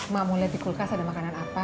mak mau lihat di kulkas ada makanan apa